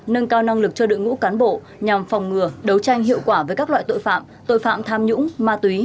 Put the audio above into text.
nâng cao năng lực cho đội ngũ cán bộ nhằm phòng ngừa đấu tranh hiệu quả với các loại tội phạm tội phạm tham nhũng ma túy